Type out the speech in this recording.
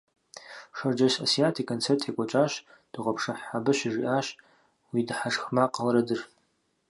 Шэрджэс Асият и концерт екӏуэкӏащ дыгъуэпшыхь, абы щыжиӏащ «Уи дыхьэшх макъ» уэрэдыр.